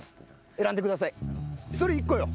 選んでください１人１個よ。